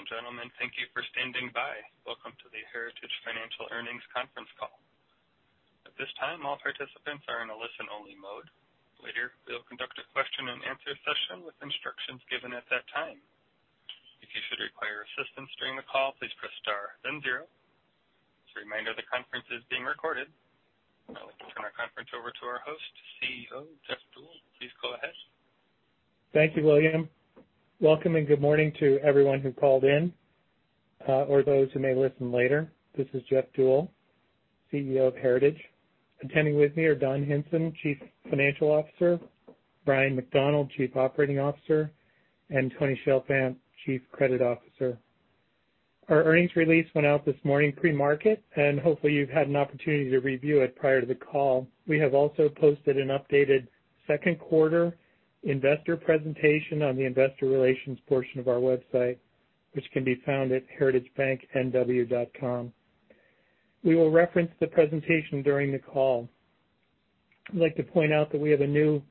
Ladies and gentlemen, thank you for standing by. Welcome to the Heritage Financial earnings conference call. At this time, all participants are in a listen-only mode. Later, we will conduct a question-and-answer session with instructions given at that time. If you should require assistance during the call, please press star then zero. As a reminder, the conference is being recorded. I would like to turn our conference over to our host, CEO, Jeff Deuel. Please go ahead. Thank you, William. Welcome and good morning to everyone who called in, or those who may listen later. This is Jeff Deuel, CEO of Heritage. Attending with me are Don Hinson, Chief Financial Officer, Bryan McDonald, Chief Operating Officer, and Tony Chalfant, Chief Credit Officer. Our earnings release went out this morning pre-market, and hopefully you've had an opportunity to review it prior to the call. We have also posted an updated second quarter investor presentation on the investor relations portion of our website, which can be found at heritagebanknw.com. We will reference the presentation during the call. I'd like to point out that we have a new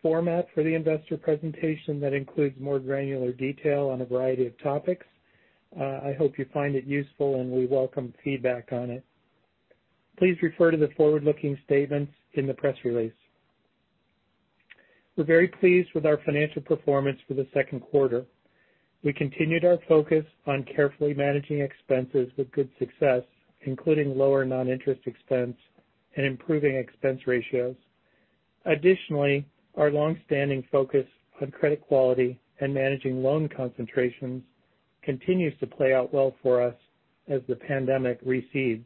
format for the investor presentation that includes more granular detail on a variety of topics. I hope you find it useful, and we welcome feedback on it. Please refer to the forward-looking statements in the press release. We're very pleased with our financial performance for the second quarter. We continued our focus on carefully managing expenses with good success, including lower non-interest expense and improving expense ratios. Additionally, our longstanding focus on credit quality and managing loan concentrations continues to play out well for us as the pandemic recedes,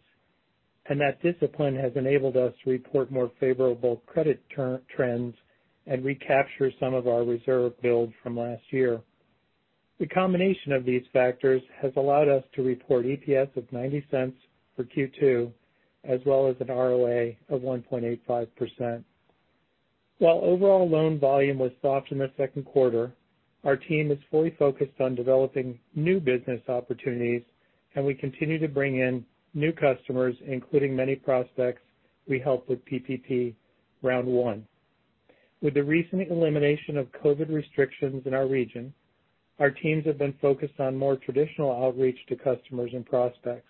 and that discipline has enabled us to report more favorable credit trends and recapture some of our reserve build from last year. The combination of these factors has allowed us to report EPS of $0.90 for Q2, as well as an ROA of 1.85%. While overall loan volume was soft in the second quarter, our team is fully focused on developing new business opportunities, and we continue to bring in new customers, including many prospects we helped with PPP Round One. With the recent elimination of COVID-19 restrictions in our region, our teams have been focused on more traditional outreach to customers and prospects.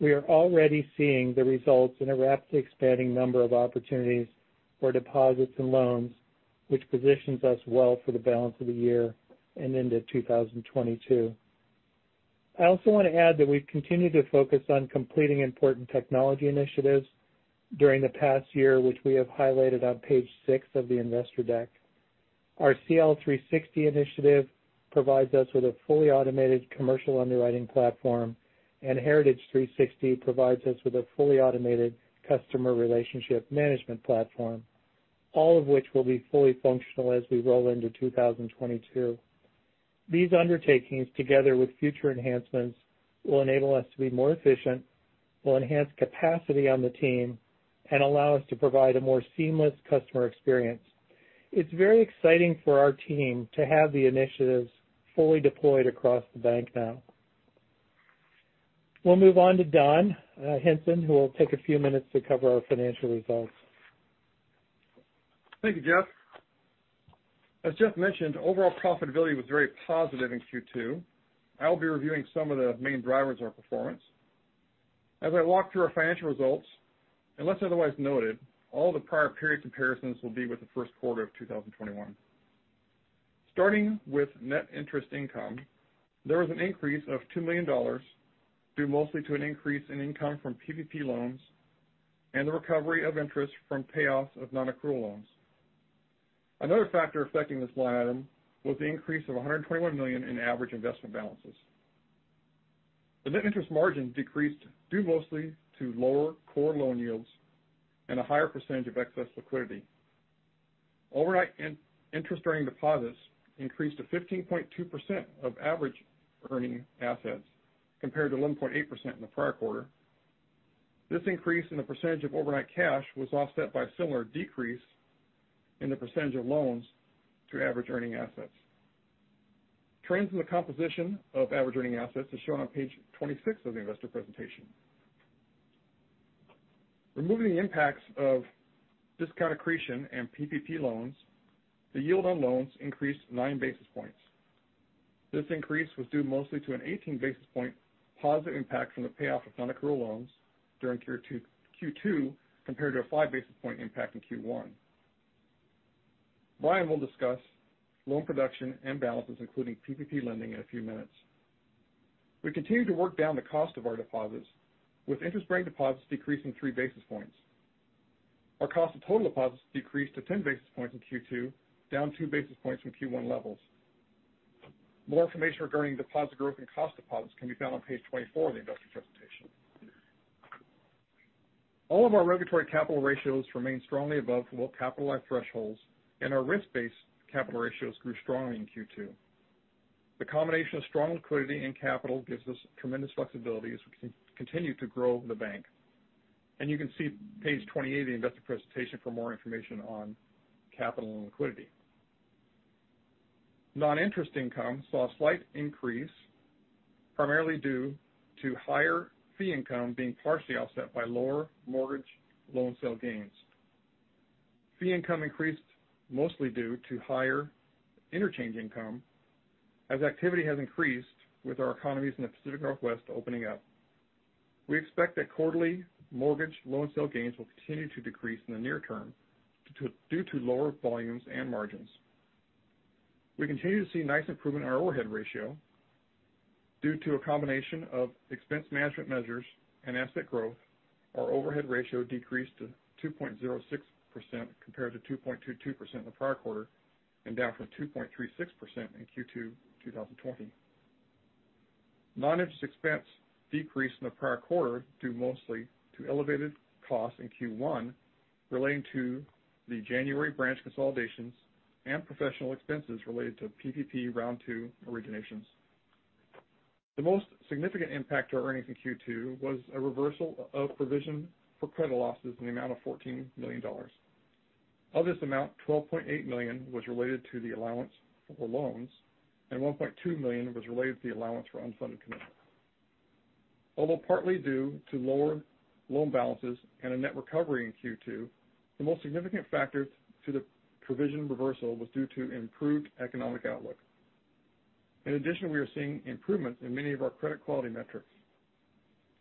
We are already seeing the results in a rapidly expanding number of opportunities for deposits and loans, which positions us well for the balance of the year and into 2022. I also want to add that we've continued to focus on completing important technology initiatives during the past year, which we have highlighted on page six of the investor deck. Our CL 360 initiative provides us with a fully automated commercial underwriting platform, and Heritage 360 provides us with a fully automated customer relationship management platform, all of which will be fully functional as we roll into 2022. These undertakings, together with future enhancements, will enable us to be more efficient, will enhance capacity on the team, and allow us to provide a more seamless customer experience. It's very exciting for our team to have the initiatives fully deployed across the bank now. We'll move on to Don Hinson, who will take a few minutes to cover our financial results. Thank you, Jeff. As Jeff mentioned, overall profitability was very positive in Q2. I'll be reviewing some of the main drivers of our performance. As I walk through our financial results, unless otherwise noted, all the prior period comparisons will be with the first quarter of 2021. Starting with net interest income, there was an increase of $2 million due mostly to an increase in income from PPP loans and the recovery of interest from payoffs of non-accrual loans. Another factor affecting this line item was the increase of $121 million in average investment balances. The net interest margin decreased due mostly to lower core loan yields and a higher % of excess liquidity. Overnight interest-bearing deposits increased to 15.2% of average earning assets compared to 1.8% in the prior quarter. This increase in the % of overnight cash was offset by a similar decrease in the % of loans to average earning assets. Trends in the composition of average earning assets is shown on page 26 of the investor presentation. Removing the impacts of discount accretion and PPP loans, the yield on loans increased 9 basis points. This increase was due mostly to an 18 basis point positive impact from the payoff of non-accrual loans during Q2 compared to a 5 basis point impact in Q1. Bryan will discuss loan production and balances, including PPP lending, in a few minutes. We continue to work down the cost of our deposits, with interest-bearing deposits decreasing 3 basis points. Our cost of total deposits decreased to 10 basis points in Q2, down 2 basis points from Q1 levels. More information regarding deposit growth and cost deposits can be found on page 24 in the investor presentation. All of our regulatory capital ratios remain strongly above well-capitalized thresholds, and our risk-based capital ratios grew strongly in Q2. The combination of strong liquidity and capital gives us tremendous flexibility as we continue to grow the bank. You can see page 28 of the investor presentation for more information on capital and liquidity. Non-interest income saw a slight increase, primarily due to higher fee income being partially offset by lower mortgage loan sale gains. Fee income increased mostly due to higher interchange income, as activity has increased with our economies in the Pacific Northwest opening up. We expect that quarterly mortgage loan sale gains will continue to decrease in the near term due to lower volumes and margins. We continue to see nice improvement in our overhead ratio. Due to a combination of expense management measures and asset growth, our overhead ratio decreased to 2.06% compared to 2.22% in the prior quarter, and down from 2.36% in Q2 2020. Non-interest expense decreased in the prior quarter due mostly to elevated costs in Q1 relating to the January branch consolidations and professional expenses related to PPP Round Two originations. The most significant impact to our earnings in Q2 was a reversal of provision for credit losses in the amount of $14 million. Of this amount, $12.8 million was related to the allowance for loans, and $1.2 million was related to the allowance for unfunded commitments. Although partly due to lower loan balances and a net recovery in Q2, the most significant factor to the provision reversal was due to improved economic outlook. In addition, we are seeing improvements in many of our credit quality metrics.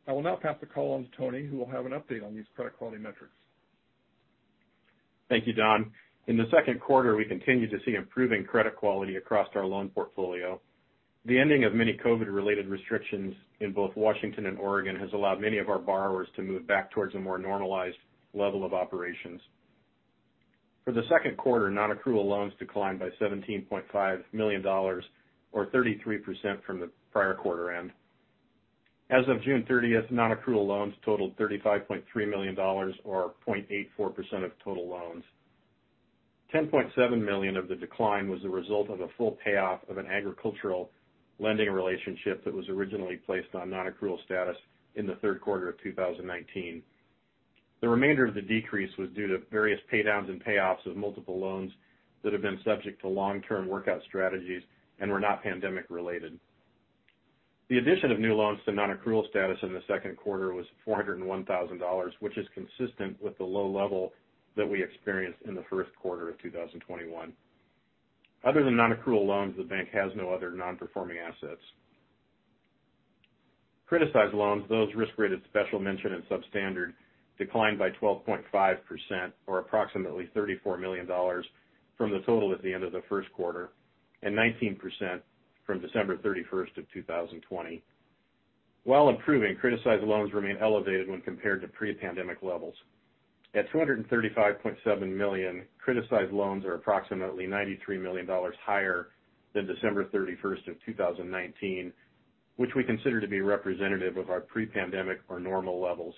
I will now pass the call on to Tony, who will have an update on these credit quality metrics. Thank you, Don. In the second quarter, we continued to see improving credit quality across our loan portfolio. The ending of many COVID-related restrictions in both Washington and Oregon has allowed many of our borrowers to move back towards a more normalized level of operations. For the second quarter, non-accrual loans declined by $17.5 million, or 33% from the prior quarter end. As of June 30th, non-accrual loans totaled $35.3 million, or 0.84% of total loans. $10.7 million of the decline was the result of a full payoff of an agricultural lending relationship that was originally placed on non-accrual status in the third quarter of 2019. The remainder of the decrease was due to various paydowns and payoffs of multiple loans that have been subject to long-term workout strategies and were not pandemic related. The addition of new loans to non-accrual status in the second quarter was $401,000, which is consistent with the low level that we experienced in the first quarter of 2021. Other than non-accrual loans, the bank has no other non-performing assets. Criticized loans, those risk rated special mention and substandard, declined by 12.5%, or approximately $34 million from the total at the end of the first quarter, and 19% from December 31st of 2020. While improving, criticized loans remain elevated when compared to pre-pandemic levels. At $235.7 million, criticized loans are approximately $93 million higher than December 31st of 2019, which we consider to be representative of our pre-pandemic or normal levels.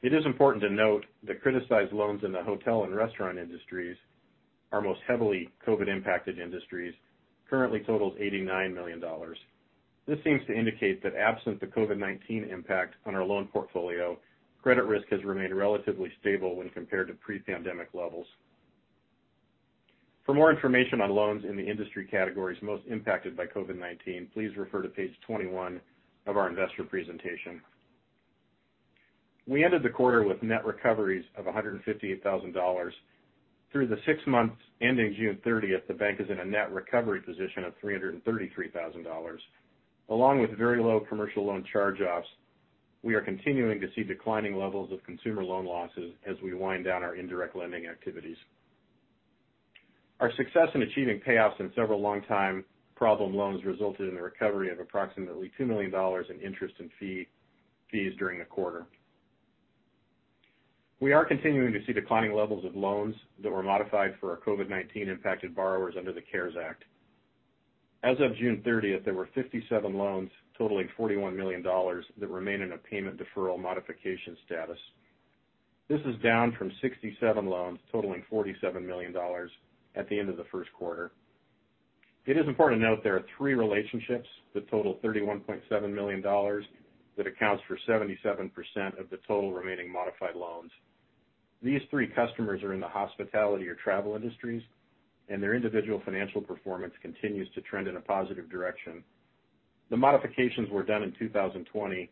It is important to note that criticized loans in the hotel and restaurant industries, our most heavily COVID-impacted industries, currently totals $89 million. This seems to indicate that absent the COVID-19 impact on our loan portfolio, credit risk has remained relatively stable when compared to pre-pandemic levels. For more information on loans in the industry categories most impacted by COVID-19, please refer to page 21 of our investor presentation. We ended the quarter with net recoveries of $158,000. Through the six months ending June 30th, the bank is in a net recovery position of $333,000. Along with very low commercial loan charge-offs, we are continuing to see declining levels of consumer loan losses as we wind down our indirect lending activities. Our success in achieving payoffs in several longtime problem loans resulted in the recovery of approximately $2 million in interest and fees during the quarter. We are continuing to see declining levels of loans that were modified for our COVID-19 impacted borrowers under the CARES Act. As of June 30th, there were 57 loans totaling $41 million that remain in a payment deferral modification status. This is down from 67 loans totaling $47 million at the end of the first quarter. It is important to note there are three relationships that total $31.7 million that accounts for 77% of the total remaining modified loans. These three customers are in the hospitality or travel industries. Their individual financial performance continues to trend in a positive direction. The modifications were done in 2020.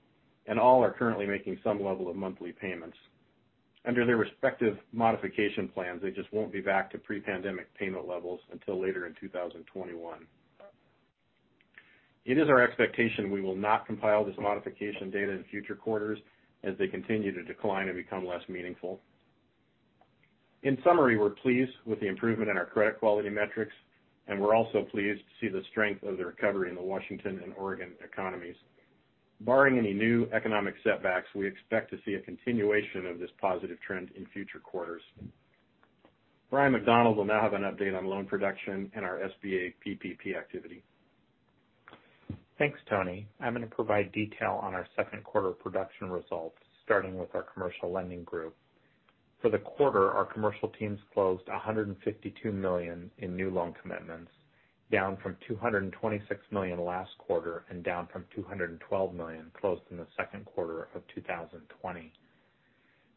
All are currently making some level of monthly payments. Under their respective modification plans, they just won't be back to pre-pandemic payment levels until later in 2021. It is our expectation we will not compile this modification data in future quarters as they continue to decline and become less meaningful. In summary, we're pleased with the improvement in our credit quality metrics, and we're also pleased to see the strength of the recovery in the Washington and Oregon economies. Barring any new economic setbacks, we expect to see a continuation of this positive trend in future quarters. Bryan McDonald will now have an update on loan production and our SBA PPP activity. Thanks, Tony. I'm going to provide detail on our second quarter production results, starting with our commercial lending group. For the quarter, our commercial teams closed $152 million in new loan commitments, down from $226 million last quarter and down from $212 million closed in the second quarter of 2020.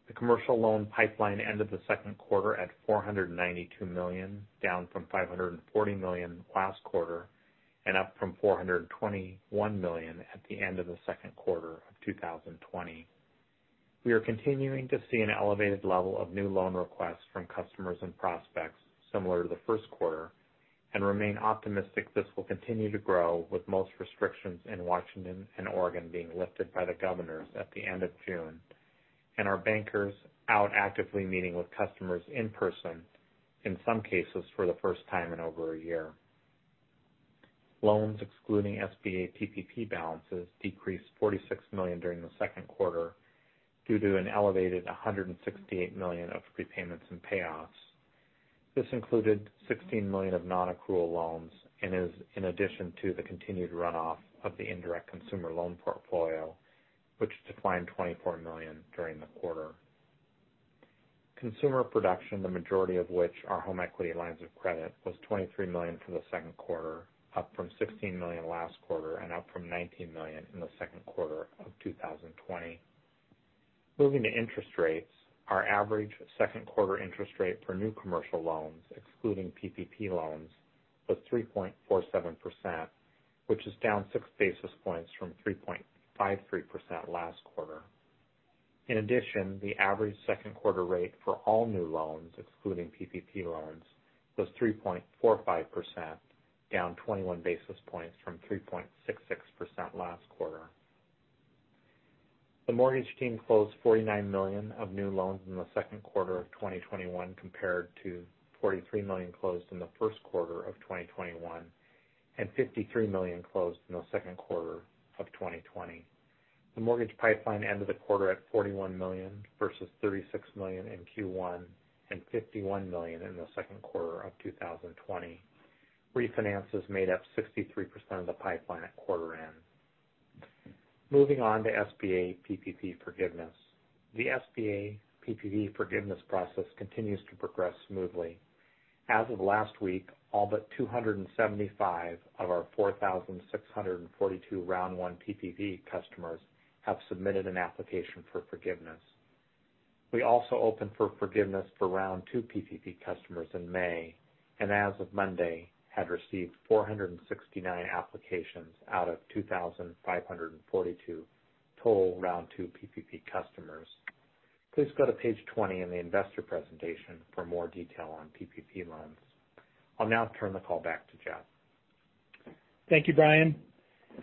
The commercial loan pipeline ended the second quarter at $492 million, down from $540 million last quarter. Up from $421 million at the end of the second quarter of 2020. We are continuing to see an elevated level of new loan requests from customers and prospects similar to the first quarter, and remain optimistic this will continue to grow with most restrictions in Washington and Oregon being lifted by the governors at the end of June, and our bankers out actively meeting with customers in person, in some cases for the first time in over one year. Loans excluding SBA PPP balances decreased $46 million during the second quarter due to an elevated $168 million of prepayments and payoffs. This included $16 million of non-accrual loans, and is in addition to the continued runoff of the indirect consumer loan portfolio, which declined $24 million during the quarter. Consumer production, the majority of which are home equity lines of credit, was $23 million for the second quarter, up from $16 million last quarter and up from $19 million in the second quarter of 2020. Moving to interest rates, our average second quarter interest rate for new commercial loans excluding PPP loans was 3.47%, which is down 6 basis points from 3.53% last quarter. In addition, the average second quarter rate for all new loans, excluding PPP loans, was 3.45%, down 21 basis points from 3.66% last quarter. The mortgage team closed $49 million of new loans in the second quarter of 2021, compared to $43 million closed in the first quarter of 2021, and $53 million closed in the second quarter of 2020. The mortgage pipeline ended the quarter at $41 million versus $36 million in Q1 and $51 million in the second quarter of 2020. Refinances made up 63% of the pipeline at quarter end. Moving on SBA PPP forgiveness process continues to progress smoothly. As of last week, all but 275 of our 4,642 Round One PPP customers have submitted an application for forgiveness. We also opened for forgiveness for Round Two PPP customers in May, and as of Monday, had received 469 applications out of 2,542 total Round Two PPP customers. Please go to page 20 in the investor presentation for more detail on PPP loans. I'll now turn the call back to Jeff. Thank you, Bryan.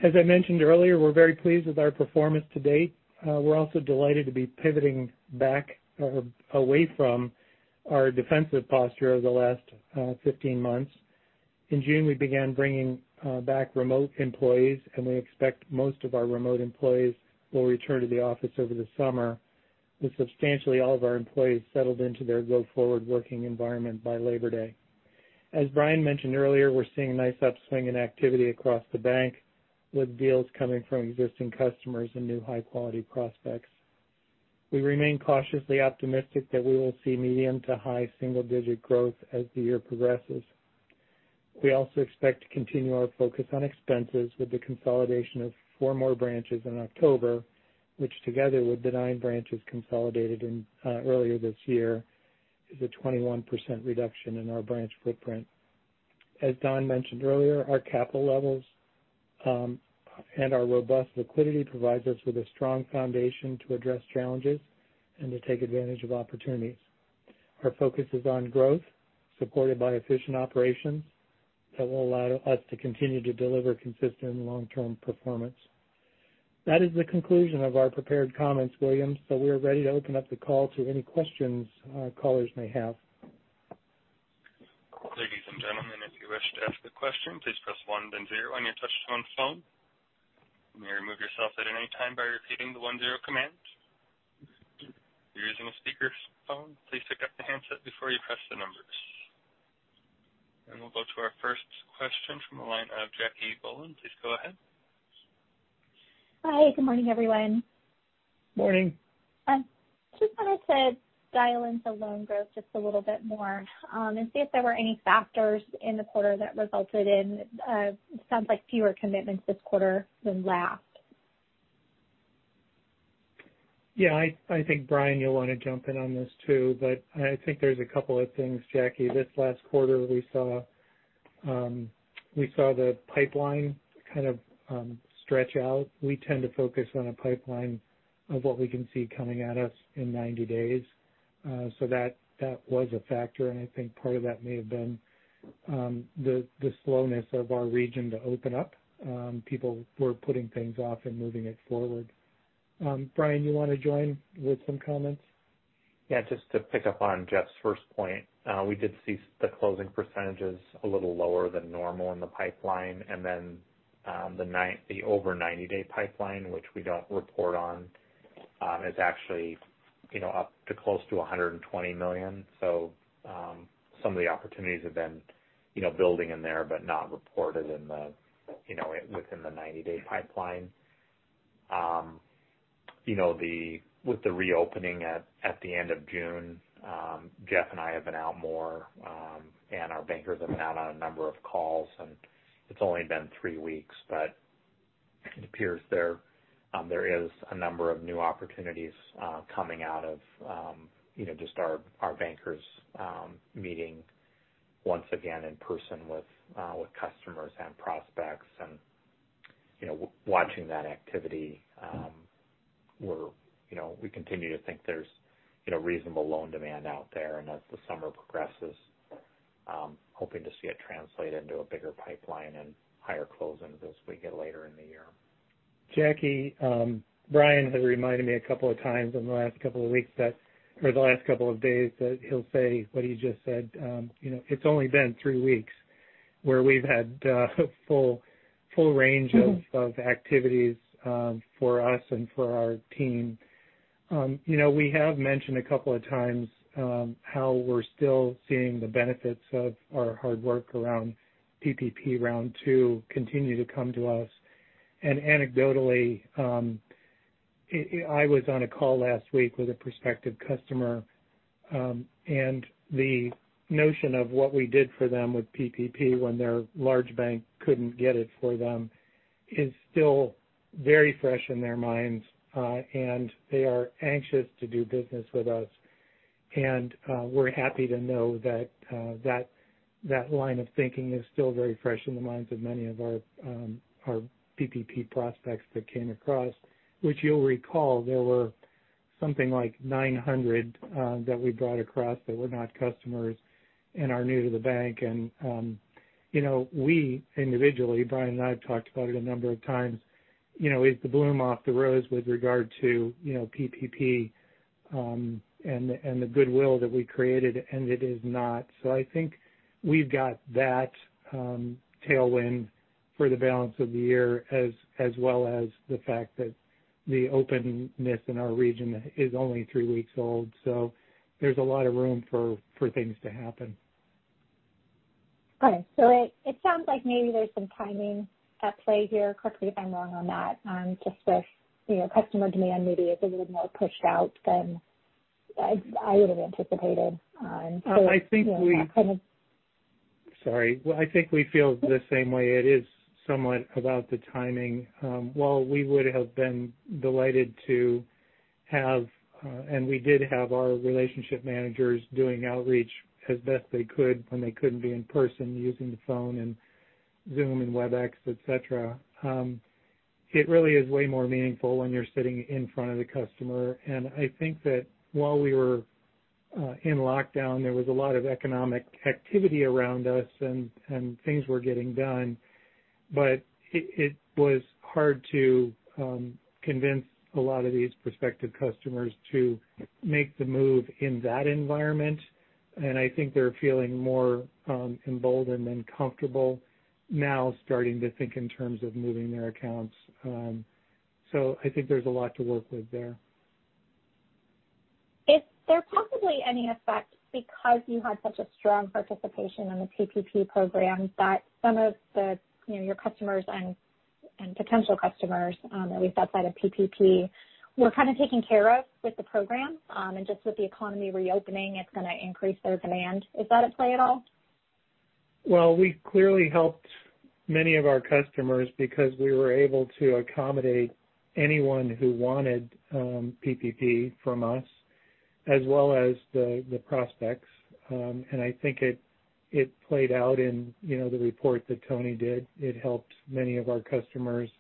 As I mentioned earlier, we're very pleased with our performance to date. We're also delighted to be pivoting back away from our defensive posture over the last 15 months. In June, we began bringing back remote employees, and we expect most of our remote employees will return to the office over the summer, with substantially all of our employees settled into their go-forward working environment by Labor Day. As Bryan mentioned earlier, we're seeing a nice upswing in activity across the bank, with deals coming from existing customers and new high-quality prospects. We remain cautiously optimistic that we will see medium to high single-digit growth as the year progresses. We also expect to continue our focus on expenses with the consolidation of four more branches in October, which together with the nine branches consolidated earlier this year, is a 21% reduction in our branch footprint. As Don mentioned earlier, our capital levels and our robust liquidity provides us with a strong foundation to address challenges and to take advantage of opportunities. Our focus is on growth, supported by efficient operations that will allow us to continue to deliver consistent long-term performance. That is the conclusion of our prepared comments, William. We are ready to open up the call to any questions our callers may have. Ladies and gentlemen if you wish to ask a question please press one then zero on your touchtone phone. You may remove yourself at anytime by pressing one zero command. If your using the speaker phone please pick up the headset before pressing the numbers. We'll go to our first question from the line of Jacque Bohlen. Please go ahead. Hi. Good morning, everyone. Morning. I just wanted to dial into loan growth just a little bit more, and see if there were any factors in the quarter that resulted in, it sounds like fewer commitments this quarter than last. Yeah. I think, Bryan, you'll want to jump in on this too, but I think there's a couple of things, Jacque. This last quarter, we saw the pipeline kind of stretch out. We tend to focus on a pipeline of what we can see coming at us in 90 days. That was a factor, and I think part of that may have been the slowness of our region to open up. People were putting things off and moving it forward. Bryan, you want to join with some comments? Just to pick up on Jeff's first point. We did see the closing %s a little lower than normal in the pipeline. Then the over 90-day pipeline, which we don't report on, is actually up to close to $120 million. Some of the opportunities have been building in there, but not reported within the 90-day pipeline. With the reopening at the end of June, Jeff and I have been out more, and our bankers have been out on a number of calls. It's only been three weeks, but it appears there is a number of new opportunities coming out of just our bankers meeting once again in person with customers and prospects. Watching that activity, we continue to think there's reasonable loan demand out there, and as the summer progresses, hoping to see it translate into a bigger pipeline and higher closings as we get later in the year. Jacque, Bryan has reminded me a couple of times in the last couple of weeks that, or the last couple of days, that he'll say what you just said. It's only been three weeks where we've had a full range. of activities for us and for our team. We have mentioned a couple of times how we're still seeing the benefits of our hard work around PPP Round Two continue to come to us. Anecdotally, I was on a call last week with a prospective customer, and the notion of what we did for them with PPP when their large bank couldn't get it for them is still very fresh in their minds. They are anxious to do business with us. We're happy to know that line of thinking is still very fresh in the minds of many of our PPP prospects that came across. Which you'll recall, there were something like 900 that we brought across that were not customers and are new to the bank. We individually, Bryan and I have talked about it a number of times. Is the bloom off the rose with regard to PPP and the goodwill that we created? It is not. I think we've got that tailwind for the balance of the year as well as the fact that the openness in our region is only three weeks old. There's a lot of room for things to happen. Okay. It sounds like maybe there's some timing at play here. Correct me if I'm wrong on that. Just with customer demand maybe is a little more pushed out than I would've anticipated. I think. That kind of- Sorry. Well, I think we feel the same way. It is somewhat about the timing. While we would have been delighted to have, and we did have our relationship managers doing outreach as best they could when they couldn't be in person using the phone and Zoom and Webex, et cetera. It really is way more meaningful when you're sitting in front of the customer. I think that while we were in lockdown, there was a lot of economic activity around us and things were getting done. It was hard to convince a lot of these prospective customers to make the move in that environment. I think they're feeling more emboldened and comfortable now starting to think in terms of moving their accounts. I think there's a lot to work with there. Is there possibly any effect because you had such a strong participation in the PPP program that some of your customers and potential customers, at least outside of PPP, were kind of taken care of with the program? Just with the economy reopening, it's going to increase their demand. Is that at play at all? Well, we clearly helped many of our customers because we were able to accommodate anyone who wanted PPP from us, as well as the prospects. I think it played out in the report that Tony did. It helped many of our customers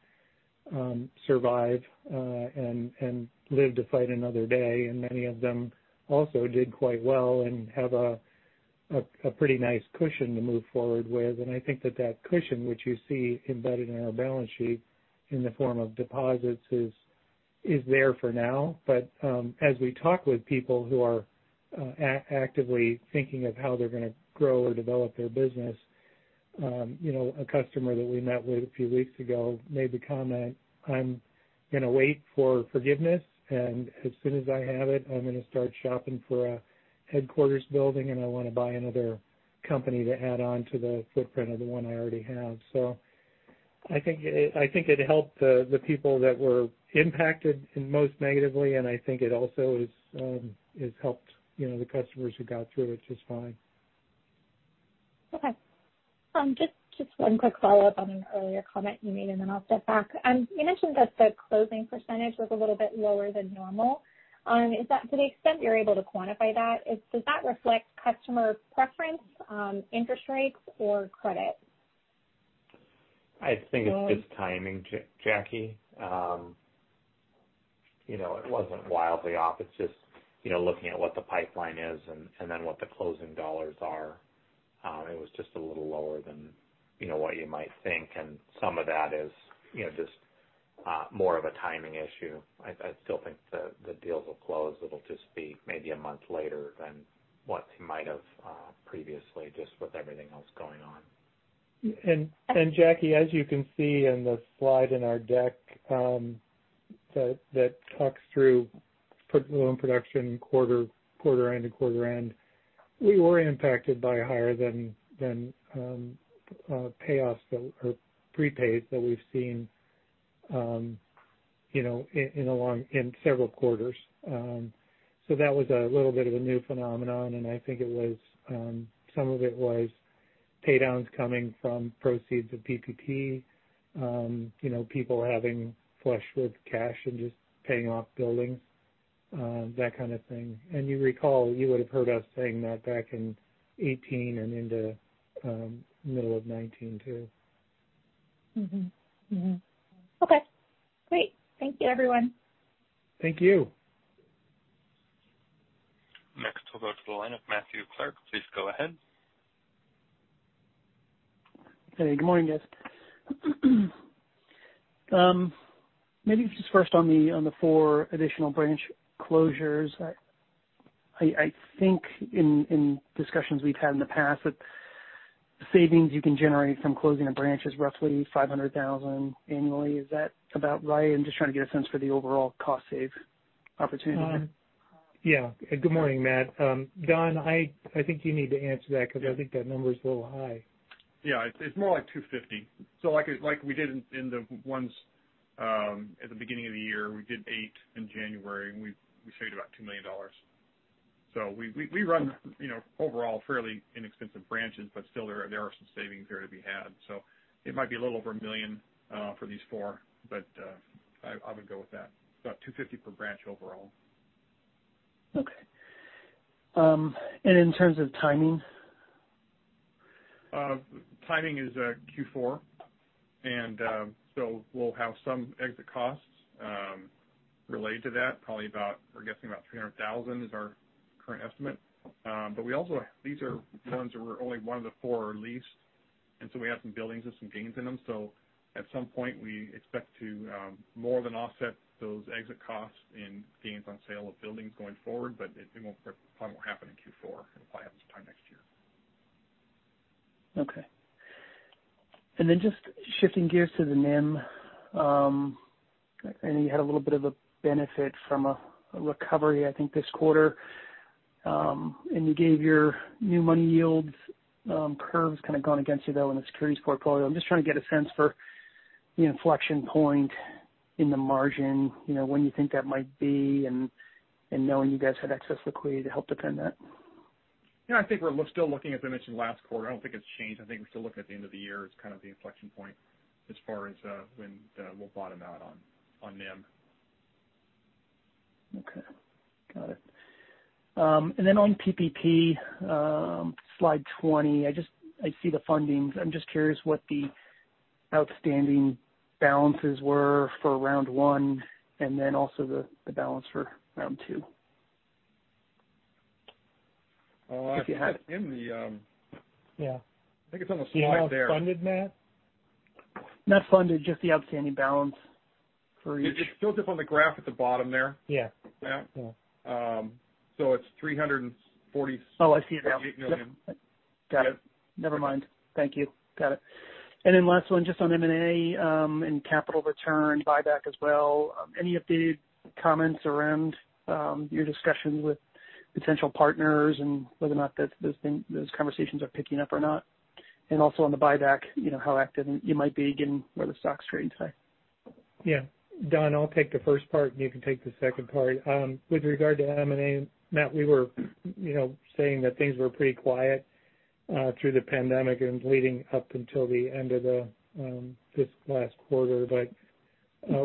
survive and live to fight another day. Many of them also did quite well and have a pretty nice cushion to move forward with. I think that that cushion, which you see embedded in our balance sheet in the form of deposits, is there for now. As we talk with people who are actively thinking of how they're going to grow or develop their business, a customer that we met with a few weeks ago made the comment, "I'm going to wait for forgiveness, and as soon as I have it, I'm going to start shopping for a headquarters building, and I want to buy another company to add on to the footprint of the one I already have." I think it helped the people that were impacted most negatively, and I think it also has helped the customers who got through it just fine. Okay. Just one quick follow-up on an earlier comment you made, and then I'll step back. You mentioned that the closing % was a little bit lower than normal. To the extent you're able to quantify that, does that reflect customer preference, interest rates, or credit? I think it's just timing, Jacque. It wasn't wildly off. It's just looking at what the pipeline is and then what the closing dollars are. It was just a little lower than what you might think, and some of that is just more of a timing issue. I still think the deals will close. It'll just be maybe a month later than what you might have previously, just with everything else going on. Jacque Bohlen, as you can see in the slide in our deck that talks through loan production quarter end to quarter end, we were impacted by higher than payoffs or prepaids that we've seen in several quarters. That was a little bit of a new phenomenon, and I think some of it was pay-downs coming from proceeds of PPP. People having flush with cash and just paying off buildings, that kind of thing. You recall, you would've heard us saying that back in 2018 and into middle of 2019 too. Mm-hmm. Okay, great. Thank you, everyone. Thank you. Next, we'll go to the line of Matthew Clark. Please go ahead. Hey, good morning, guys. Maybe just first on the four additional branch closures. I think in discussions we've had in the past that the savings you can generate from closing a branch is roughly $500,000 annually. Is that about right? I'm just trying to get a sense for the overall cost-save opportunity there. Yeah. Good morning, Matt. Don, I think you need to answer that because I think that number is a little high. Yeah. It's more like $250. Like we did in the ones at the beginning of the year, we did eight in January, and we saved about $2 million. We run overall fairly inexpensive branches, but still there are some savings there to be had. It might be a little over $1 million for these four, but I would go with that. About $250 per branch overall. Okay. In terms of timing? Timing is Q4. We'll have some exit costs related to that, probably about, we're guessing about $300,000 is our current estimate. These are ones where only one of the four are leased, we have some buildings with some gains in them. At some point we expect to more than offset those exit costs in gains on sale of buildings going forward. It probably won't happen in Q4. It'll probably happen some time next year. Okay. Just shifting gears to the NIM. I know you had a little bit of a benefit from a recovery, I think, this quarter. You gave your new money yields curves kind of gone against you, though, in the securities portfolio. I'm just trying to get a sense for the inflection point in the margin, when you think that might be and knowing you guys have excess liquidity to help underpin that. Yeah, I think we're still looking, as I mentioned last quarter, I don't think it's changed. I think we're still looking at the end of the year as kind of the inflection point as far as when we'll bottom out on NIM. Okay. Got it. On PPP, slide 20, I see the fundings. I am just curious what the outstanding balances were for Round One and also the balance for Round Two. Oh, I have it. Yeah. I think it's on the slide there. You want funded, Matt? Not funded, just the outstanding balance for each. It shows up on the graph at the bottom there. Yeah. Yeah. Cool. It's $346.8 million. Oh, I see it now. Got it. Yeah. Never mind. Thank you. Got it. Last one, just on M&A and capital return buyback as well. Any updated comments around your discussions with potential partners and whether or not those conversations are picking up or not? Also on the buyback, how active you might be given where the stock's trading today. Yeah. Don, I'll take the first part, and you can take the second part. With regard to M&A, Matt, we were saying that things were pretty quiet through the pandemic and leading up until the end of this last quarter.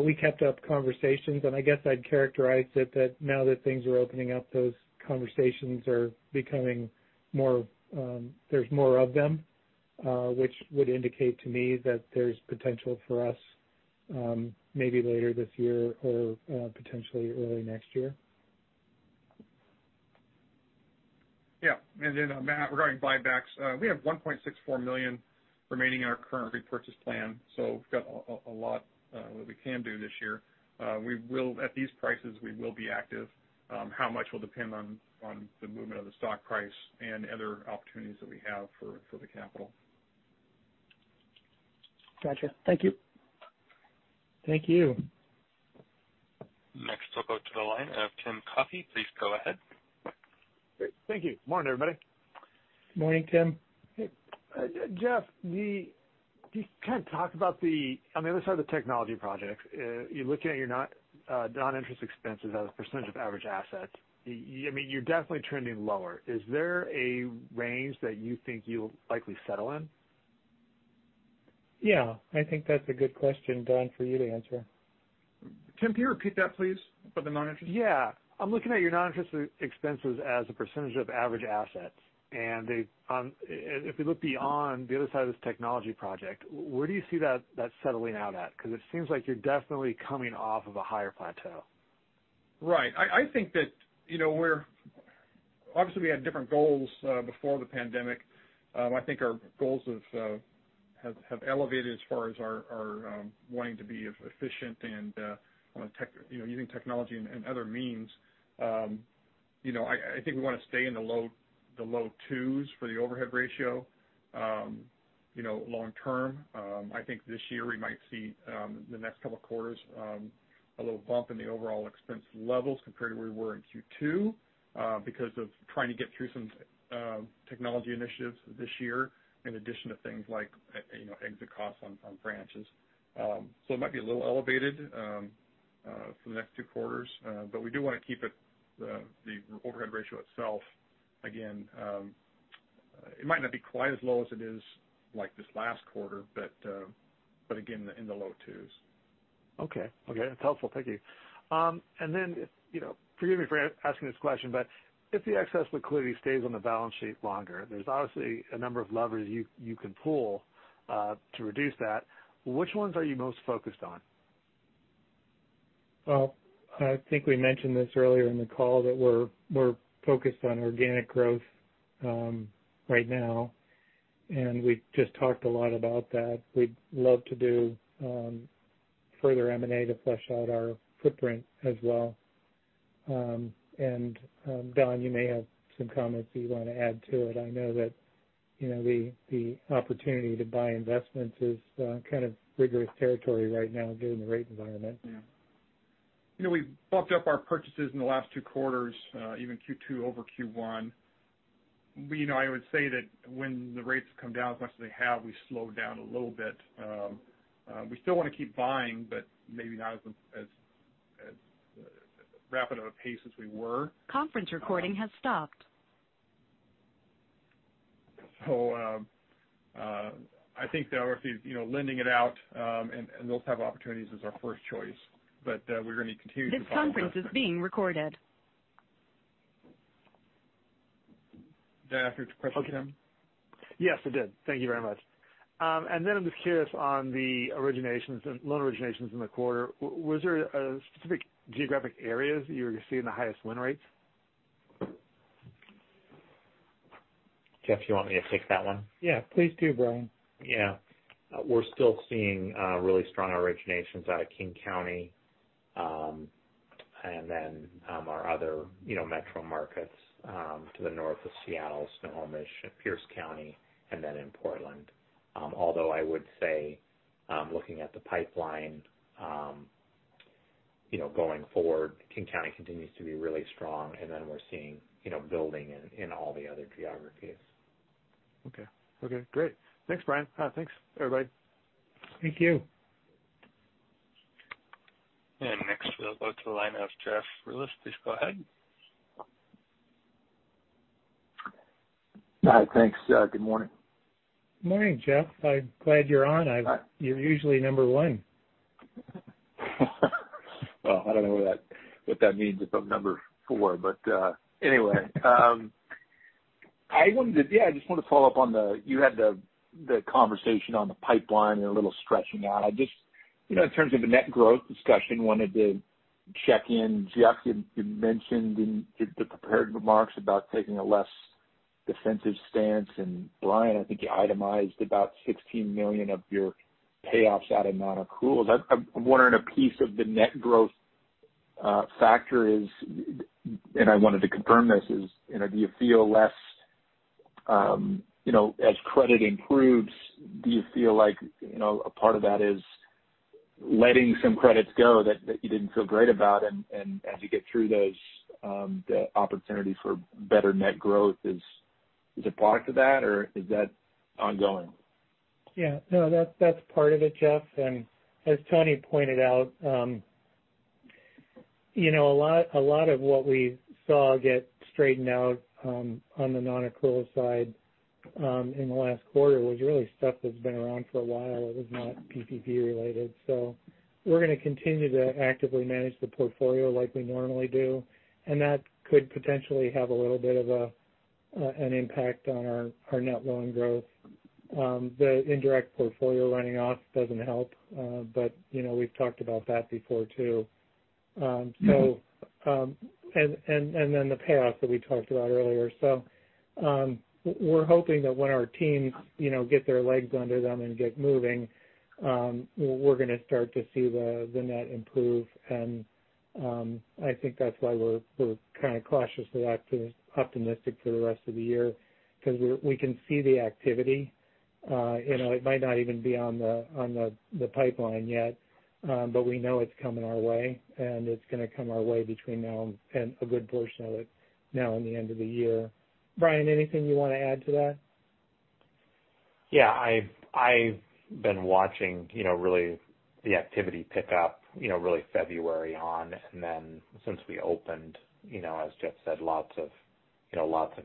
We kept up conversations, and I guess I'd characterize it that now that things are opening up, those conversations are becoming there's more of them, which would indicate to me that there's potential for us maybe later this year or potentially early next year. Yeah. Matt, regarding buybacks, we have 1.64 million remaining in our current repurchase plan, so we've got a lot that we can do this year. At these prices, we will be active. How much will depend on the movement of the stock price and other opportunities that we have for the capital. Gotcha. Thank you. Thank you. Next, we'll go to the line of Tim Coffey. Please go ahead. Great. Thank you. Morning, everybody. Morning, Tim. Hey. Jeff, can you kind of talk about the, on the other side of the technology projects, you're looking at your non-interest expenses as a % of average assets. You're definitely trending lower. Is there a range that you think you'll likely settle in? Yeah, I think that's a good question, Don, for you to answer. Tim, can you repeat that, please? About the non-interest? Yeah. I'm looking at your non-interest expenses as a % of average assets. If we look beyond the other side of this technology project, where do you see that settling out at? Because it seems like you're definitely coming off of a higher plateau. Right. I think that obviously we had different goals before the pandemic. I think our goals have elevated as far as our wanting to be efficient and using technology and other means. I think we want to stay in the low twos for the overhead ratio long-term. I think this year we might see, the next couple of quarters, a little bump in the overall expense levels compared to where we were in Q2 because of trying to get through some technology initiatives this year in addition to things like exit costs on branches. It might be a little elevated for the next two quarters. We do want to keep it, the overhead ratio itself, again, it might not be quite as low as it is like this last quarter, but again, in the low twos. Okay. That's helpful. Thank you. Then, forgive me for asking this question, but if the excess liquidity stays on the balance sheet longer, there's obviously a number of levers you can pull to reduce that. Which ones are you most focused on? Well, I think we mentioned this earlier in the call that we're focused on organic growth right now, and we just talked a lot about that. We'd love to do further M&A to flesh out our footprint as well. Don, you may have some comments that you want to add to it. I know that the opportunity to buy investments is kind of rigorous territory right now given the rate environment. Yeah. We've bumped up our purchases in the last two quarters, even Q2 over Q1. I would say that when the rates come down as much as they have, we slow down a little bit. We still want to keep buying, but maybe not as rapid of a pace as we were. Conference recording has stopped. I think that obviously, lending it out, and those type of opportunities is our first choice. We're going to continue to buy. This conference is being recorded. Did that answer your question, Tim? Yes, it did. Thank you very much. I'm just curious on the loan originations in the quarter. Was there a specific geographic areas that you were seeing the highest win rates? Jeff, do you want me to take that one? Yeah. Please do, Bryan. Yeah. We're still seeing really strong originations out of King County. Our other metro markets to the north of Seattle, Snohomish, Pierce County, and then in Portland. I would say, looking at the pipeline, going forward, King County continues to be really strong, and then we're seeing building in all the other geographies. Okay. Great. Thanks, Bryan. Thanks, everybody. Thank you. Next we'll go to the line of Jeff Rulis. Please go ahead. Hi. Thanks. Good morning. Morning, Jeff. I'm glad you're on. You're usually number one. I don't know what that means if I'm number four, but anyway. I just wanted to follow up on the conversation on the pipeline and a little stretching out. I just, in terms of a net growth discussion, wanted to check in. Jeff, you mentioned in the prepared remarks about taking a less defensive stance, and Bryan, I think you itemized about $16 million of your payoffs out of non-accruals. I'm wondering a piece of the net growth factor is, and I wanted to confirm this is, as credit improves, do you feel like a part of that is letting some credits go that you didn't feel great about? As you get through those, the opportunity for better net growth is a product of that or is that ongoing? Yeah. No, that's part of it, Jeff. As Tony pointed out, a lot of what we saw get straightened out on the non-accrual side in the last quarter was really stuff that's been around for a while. It was not PPP related. We're going to continue to actively manage the portfolio like we normally do, and that could potentially have a little bit of an impact on our net loan growth. The indirect portfolio running off doesn't help, but we've talked about that before too. Then the payoffs that we talked about earlier. We're hoping that when our teams get their legs under them and get moving, we're going to start to see the net improve. I think that's why we're kind of cautiously optimistic for the rest of the year, because we can see the activity. It might not even be on the pipeline yet, but we know it's coming our way, and it's going to come our way between now and a good portion of it now and the end of the year. Bryan, anything you want to add to that? I've been watching really the activity pick up really February on, since we opened, as Jeff said, lots of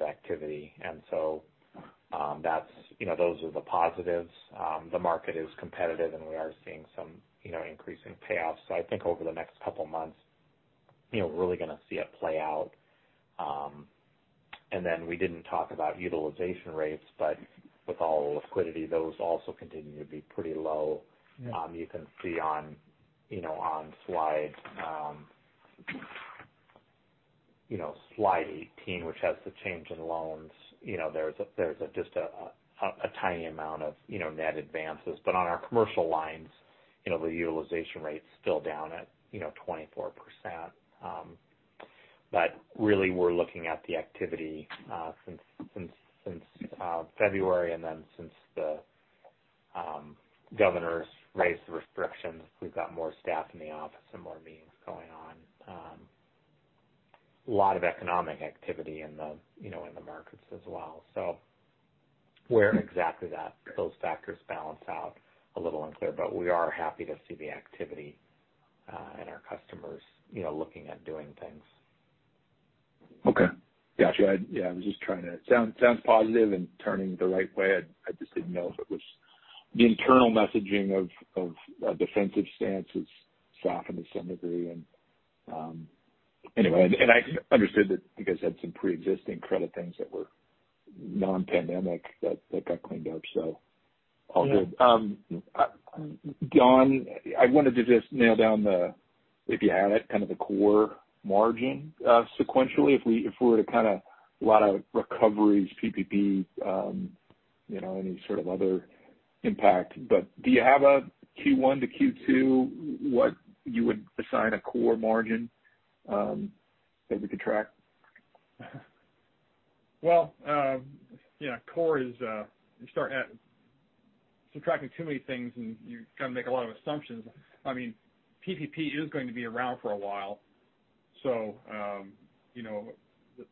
activity. Those are the positives. The market is competitive and we are seeing some increasing payoffs. I think over the next couple of months, we're really going to see it play out. We didn't talk about utilization rates, but with all the liquidity, those also continue to be pretty low. Yeah. You can see on slide 18, which has the change in loans, there's just a tiny amount of net advances. On our commercial lines, the utilization rate's still down at 24%. Really, we're looking at the activity since February, and then since the governors raised the restrictions, we've got more staff in the office and more meetings going on. A lot of economic activity in the markets as well. Where exactly those factors balance out, a little unclear. We are happy to see the activity and our customers looking at doing things. Okay. Got you. Yeah, it sounds positive and turning the right way. I just didn't know if it was the internal messaging of a defensive stance has softened to some degree. Anyway, I understood that you guys had some preexisting credit things that were non-pandemic that got cleaned up, so all good. Don, I wanted to just nail down the, if you had it, kind of the core margin, sequentially, if we were to kind of a lot of recoveries, PPP, any sort of other impact. Do you have a Q1 to Q2, what you would assign a core margin that we could track? Core is, you start subtracting too many things, and you kind of make a lot of assumptions. I mean, PPP is going to be around for a while, so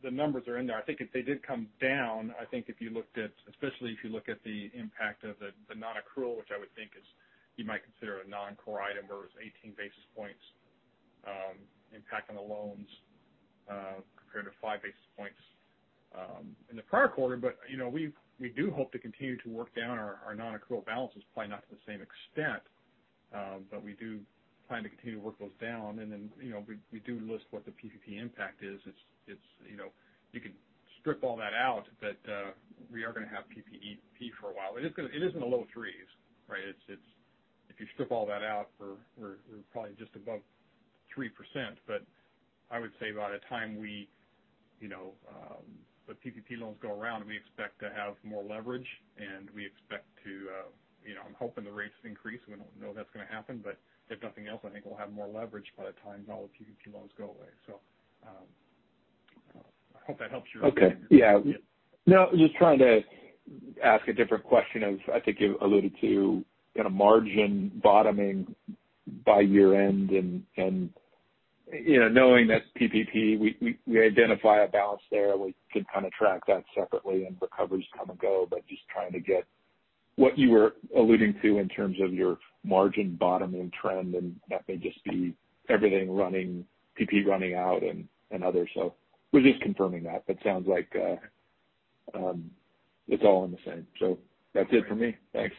the numbers are in there. I think if they did come down, I think if you looked at, especially if you look at the impact of the non-accrual, which I would think is, you might consider a non-core item where it was 18 basis points impact on the loans compared to 5 basis points in the prior quarter. We do hope to continue to work down our non-accrual balances, probably not to the same extent, but we do plan to continue to work those down. We do list what the PPP impact is. You could strip all that out, but we are going to have PPP for a while. It isn't a low threes, right? If you strip all that out, we're probably just above 3%. I would say by the time the PPP loans go around, we expect to have more leverage. I'm hoping the rates increase. We don't know if that's going to happen. If nothing else, I think we'll have more leverage by the time all the PPP loans go away. I hope that helps your- Okay. Yeah. No, just trying to ask a different question of, I think you alluded to kind of margin bottoming by year-end, and knowing that PPP, we identify a balance there. We can kind of track that separately, and recoveries come and go. Just trying to get what you were alluding to in terms of your margin bottoming trend, and that may just be everything running, PPP running out and others. We're just confirming that, but sounds like it's all in the same. That's it for me. Thanks.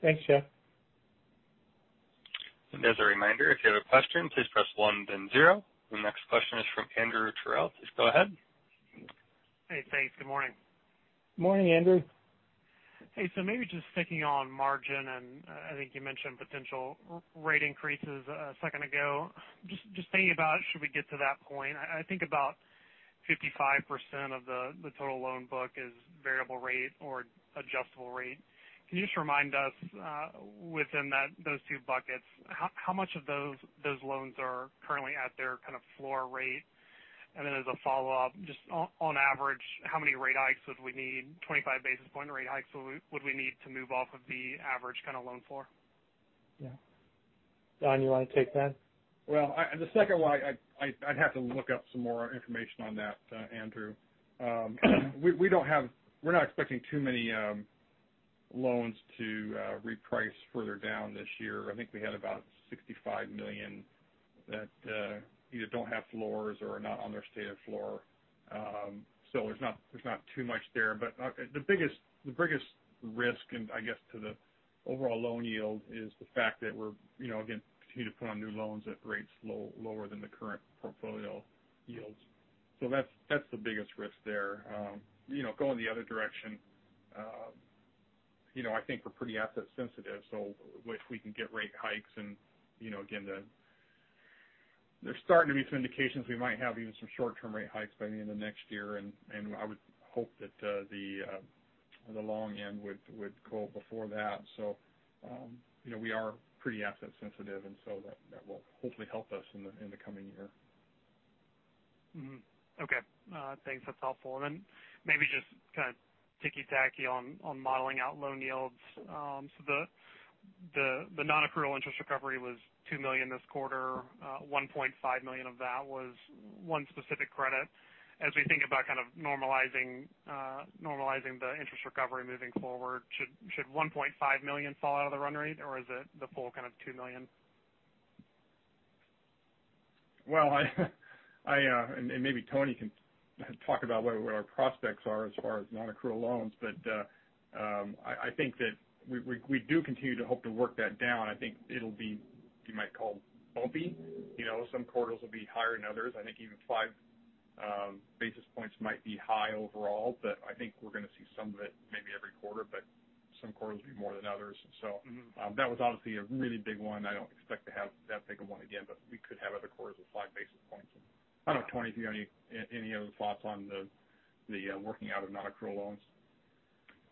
Thanks, Jeff. As a reminder, if you have a question, please press one then zero. The next question is from Andrew Terrell. Please go ahead. Hey, thanks. Good morning. Morning, Andrew. Maybe just sticking on margin, and I think you mentioned potential rate increases a second ago. Just thinking about should we get to that point, I think about 55% of the total loan book is variable rate or adjustable rate. Can you just remind us, within those two buckets, how much of those loans are currently at their kind of floor rate? Then as a follow-up, just on average, how many rate hikes would we need, 25 basis point rate hikes would we need to move off of the average kind of loan floor? Yeah. Don, you want to take that? The second one, I'd have to look up some more information on that, Andrew. We're not expecting too many loans to reprice further down this year. I think we had about $65 million that either don't have floors or are not on their stated floor. There's not too much there. The biggest risk, and I guess to the overall loan yield, is the fact that we're, again, continue to put on new loans at rates lower than the current portfolio yields. That's the biggest risk there. Going the other direction, I think we're pretty asset sensitive, so if we can get rate hikes and, again, there's starting to be some indications we might have even some short-term rate hikes by the end of next year. I would hope that the long end would go up before that. We are pretty asset sensitive, and so that will hopefully help us in the coming year. Okay. Thanks. That's helpful. Then maybe just kind of ticky-tacky on modeling out loan yields. The non-accrual interest recovery was $2 million this quarter. $1.5 million of that was one specific credit. As we think about kind of normalizing the interest recovery moving forward, should $1.5 million fall out of the run rate, or is it the full kind of $2 million? Maybe Tony can talk about what our prospects are as far as non-accrual loans, but I think that we do continue to hope to work that down. I think it'll be, you might call bumpy. Some quarters will be higher than others. I think even 5 basis points might be high overall, but I think we're going to see some of it maybe every quarter. Some quarters will be more than others. That was obviously a really big one. I don't expect to have that big of one again, but we could have other quarters with 5 basis points. I don't know, Tony, if you have any other thoughts on the working out of non-accrual loans.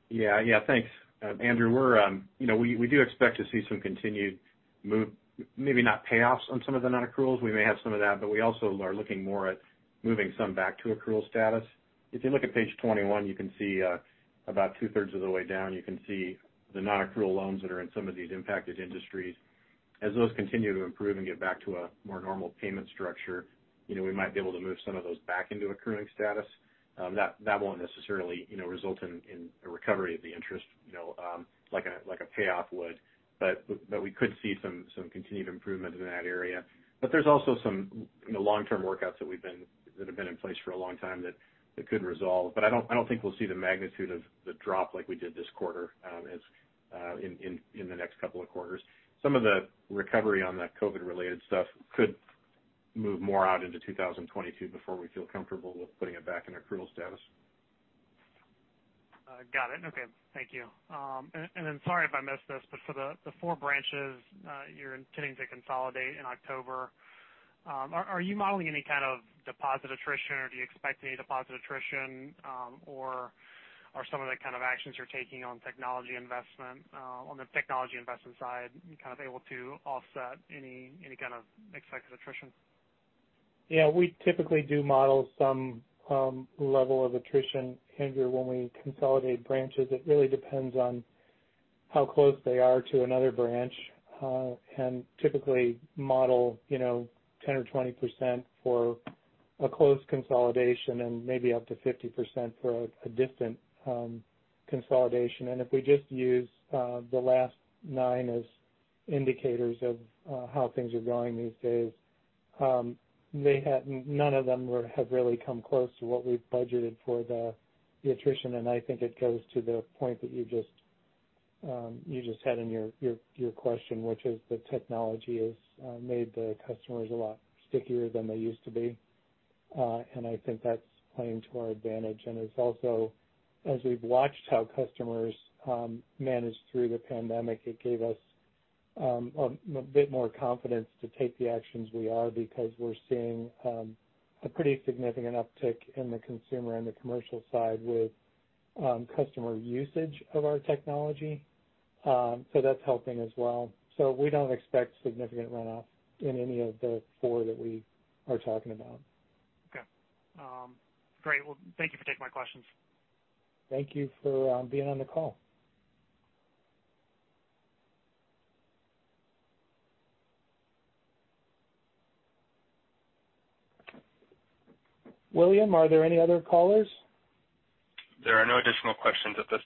Yeah, thanks. Andrew, we do expect to see some continued move, maybe not payoffs on some of the non-accruals. We may have some of that, but we also are looking more at moving some back to accrual status. If you look at page 21, you can see about 2/3 of the way down, you can see the non-accrual loans that are in some of these impacted industries. As those continue to improve and get back to a more normal payment structure, we might be able to move some of those back into accruing status. That won't necessarily result in a recovery of the interest like a payoff would, but we could see some continued improvement in that area. There's also some long-term workouts that have been in place for a long time that could resolve. I don't think we'll see the magnitude of the drop like we did this quarter in the next couple of quarters. Some of the recovery on that COVID-19-related stuff could move more out into 2022 before we feel comfortable with putting it back in accrual status. Got it. Okay. Thank you. Sorry if I missed this, for the four branches you're intending to consolidate in October, are you modeling any kind of deposit attrition or do you expect any deposit attrition? Are some of the kind of actions you're taking on the technology investment side able to offset any kind of expected attrition? Yeah, we typically do model some level of attrition, Andrew, when we consolidate branches. It really depends on how close they are to another branch. Typically model 10% or 20% for a close consolidation and maybe up to 50% for a distant consolidation. If we just use the last nine as indicators of how things are going these days, none of them have really come close to what we've budgeted for the attrition. I think it goes to the point that you just had in your question, which is the technology has made the customers a lot stickier than they used to be. I think that's playing to our advantage. It's also as we've watched how customers manage through the pandemic, it gave us a bit more confidence to take the actions we are because we're seeing a pretty significant uptick in the consumer and the commercial side with customer usage of our technology. That's helping as well. We don't expect significant runoff in any of the four that we are talking about. Okay. Great. Well, thank you for taking my questions. Thank you for being on the call. William, are there any other callers? There are no additional questions at this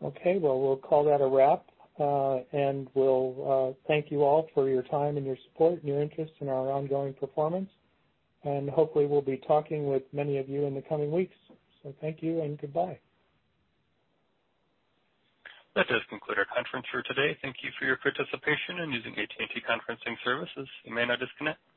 time. Okay. Well, we'll call that a wrap. We'll thank you all for your time and your support and your interest in our ongoing performance. Hopefully we'll be talking with many of you in the coming weeks. Thank you and goodbye. That does conclude our conference for today. Thank you for your participation in using AT&T Conferencing Services. You may now disconnect.